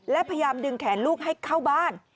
และพยายามดึงแขนลูกให้เข้าบ้าน